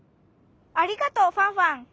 ありがとうファンファン。